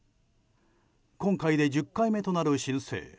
今回で１０回目となる申請。